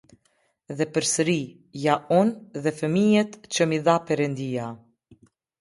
Dhe përsëri: "Ja unë, dhe fëmijët që m’i dha Perëndia".